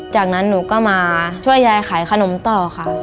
จากนั้นหนูก็มาช่วยยายขายขนมต่อค่ะ